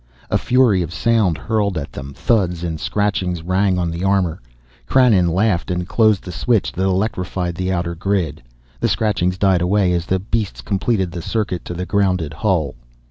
A fury of sound hurled at them, thuds and scratchings rang on the armor. Krannon laughed and closed the switch that electrified the outer grid. The scratchings died away as the beasts completed the circuit to the grounded hull.